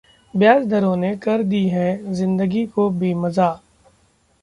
ब्याज दरों ने कर दी है जिंदगी को बेमजा